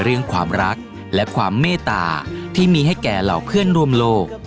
เรื่องความรักและความเมตตาที่มีให้แก่เหล่าเพื่อนร่วมโลก